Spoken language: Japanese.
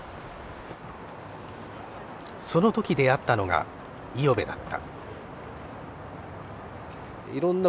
その時出会ったのが五百部だった。